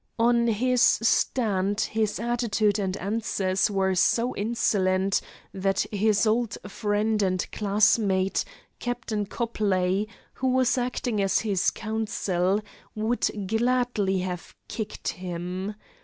On his stand his attitude and answers were so insolent that his old friend and classmate, Captain Copley, who was acting as his counsel, would gladly have kicked him.